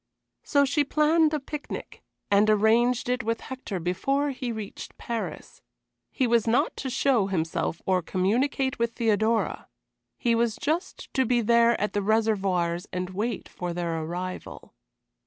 So she planned a picnic, and arranged it with Hector before he reached Paris. He was not to show himself or communicate with Theodora; he was just to be there at the Réservoirs and wait for their arrival.